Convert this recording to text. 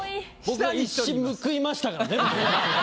僕は一矢報いましたからね。